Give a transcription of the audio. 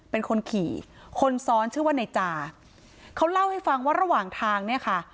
เป็นคนขี่คนซ้อนชื่อว่านายจาเขาเล่าให้ฟังว่าระหว่างทางเนี่ยค่ะ